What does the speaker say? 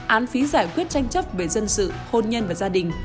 án phí giải quyết tranh chấp về dân sự hôn nhân và gia đình